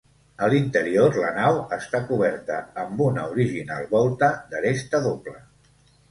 A l'interior la nau està coberta amb una original volta d'aresta doble.